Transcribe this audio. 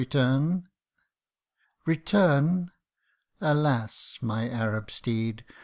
Return ! alas ! my Arab steed